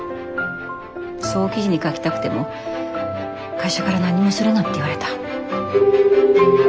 そう記事に書きたくても会社から何もするなって言われた。